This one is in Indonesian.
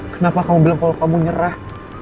kenapa kamu bilang kalau kamu nyerah